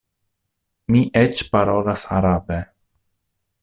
Mi eĉ parolas arabe.